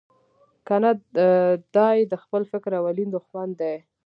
کنه دای د خپل فکر اولین دوښمن دی.